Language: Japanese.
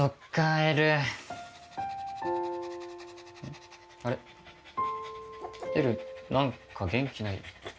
エル何か元気ない？